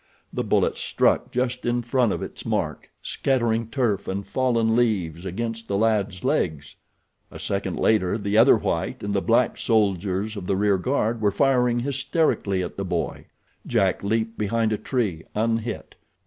The bullet struck just in front of its mark, scattering turf and fallen leaves against the lad's legs. A second later the other white and the black soldiers of the rear guard were firing hysterically at the boy. Jack leaped behind a tree, unhit.